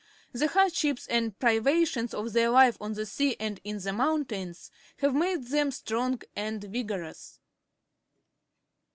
The hardships and priva tions of their life on the sea and in the moun tains have made them strong and vigorous.